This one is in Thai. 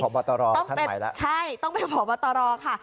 พบตรท่านใหม่ละใช่ต้องเป็นพบตรค่ะ